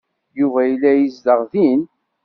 Yuba yella yezdeɣ din.